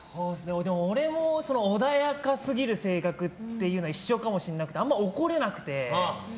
俺も穏やかすぎる性格っていうのは一緒かもしれなくてあんまり怒れなくて。